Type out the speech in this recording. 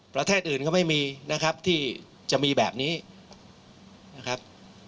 ประเทศอื่นก็ไม่มีนะครับที่จะมีแบบนี้นะครับ